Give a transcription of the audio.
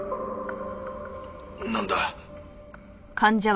なんだ？